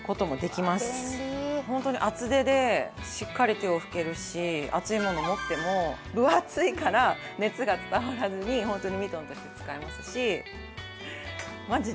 ホントに厚手でしっかり手を拭けるし熱いものを持っても分厚いから熱が伝わらずにホントにミトンとして使えますし。